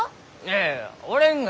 いやいや折れんが。